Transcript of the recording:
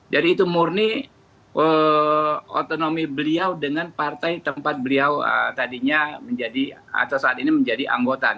jadi itu murni otonomi beliau dengan partai tempat beliau saat ini menjadi anggota